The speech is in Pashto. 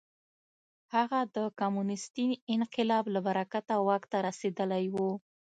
هغه د کمونېستي انقلاب له برکته واک ته رسېدلی و.